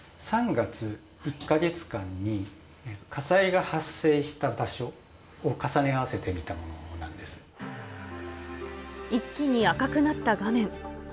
３月１か月間に火災が発生した場所を重ね合わせて見たものなんで一気に赤くなった画面。